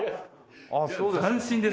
斬新ですね。